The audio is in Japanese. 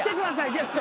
ゲスト。